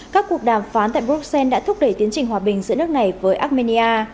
các cuộc đàm phán tại bruxelles đã thúc đẩy tiến trình hòa bình giữa nước này với armenia